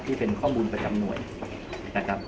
ที่เป็นข้อมูลประจำหน่วยนะครับ